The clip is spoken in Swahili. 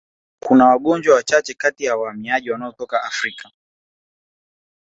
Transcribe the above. Kuna wagonjwa wachache kati ya wahamiaji wanaotoka Afrika